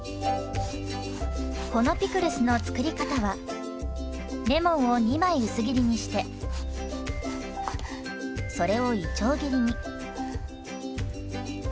このピクルスの作り方はレモンを２枚薄切りにしてそれをいちょう切りに。